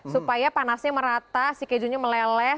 supaya panasnya merata si kejunya meleleh